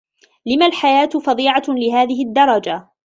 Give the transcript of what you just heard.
لم الحياة فظيعة لهذه الدّرجة؟